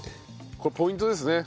これポイントですね。